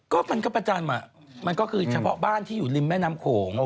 ก็มันก็ประจำอ่ะมันก็คือเฉพาะบ้านที่อยู่ริมแม่น้ำโขง